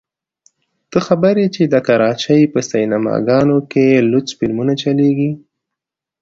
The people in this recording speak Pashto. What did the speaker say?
ته خبر يې چې د کراچۍ په سينما ګانو کښې لوڅ فلمونه چلېږي.